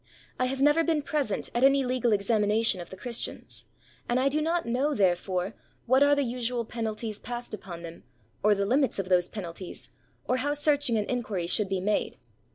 I have never been present at any legal examination of the Christians, and I do not know, therefore, what are the usual penalties passed upon them, or the limits of those penalties, or how searching an inquiry should be made.